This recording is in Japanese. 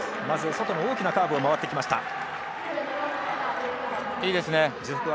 まず外の大きなカーブを回ってきました。